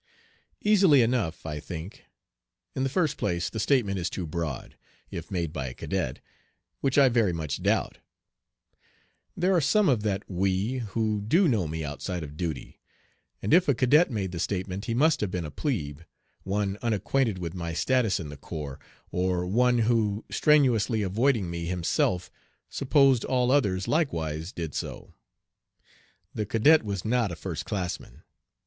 '" Easily enough, I think. In the first place the statement is too broad, if made by a cadet, which I very much doubt. There are some of that "we" who do know me outside of duty. And if a cadet made the statement he must have been a plebe, one unacquainted with my status in the corps, or one who, strenuously avoiding me himself, supposed all others likewise did so. The cadet was not a first classman.